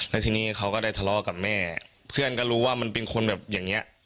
แล้วทีนี้เขาก็ได้ทะเลาะกับแม่เพื่อนก็รู้ว่ามันเป็นคนแบบอย่างเงี้ย